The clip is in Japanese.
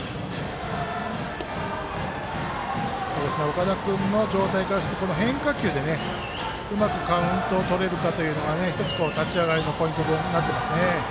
岡田君の状態からすると変化球でうまくカウントをとれるかというのが１つ立ち上がりのポイントになってますね。